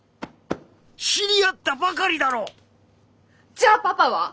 じゃあパパは！？